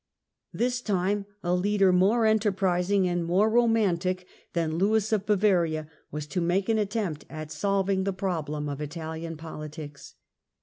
This time a leader more enterprising and more roman invasion of tic than Lewis of Bavaria was to make an attempt at john of solving the problem of Italian politics.